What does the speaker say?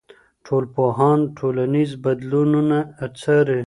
ټولنپوهان ټولنیز بدلونونه څاري.